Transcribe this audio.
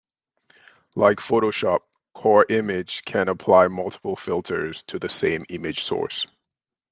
Like Photoshop, Core Image can apply multiple filters to the same image source.